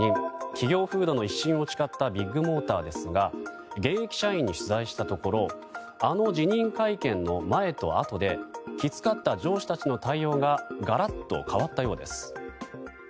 企業風土の一新を誓ったビッグモーターですが現役社員に取材したところあの辞任会見の前とあとできつかった上司たちの対応がガラッと変わったようです。